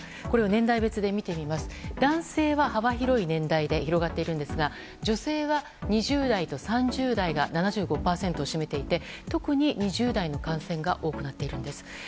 年代別で見てみますと男性は幅広い年代で広がっているんですが女性は２０代と３０代が７５％を占めていて特に２０代の感染が多くなっているんです。